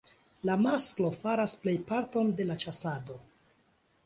La masklo faras plej parton de la ĉasado.